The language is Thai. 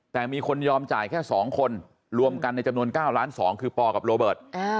แต่มีคนยอมจ่ายแค่๒คนรวมกันในจำนวน๙ล้าน๒คือปอกับโรเบิร์ต